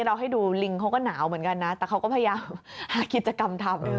เราให้ดูลิงเขาก็หนาวเหมือนกันนะแต่เขาก็พยายามหากิจกรรมทำ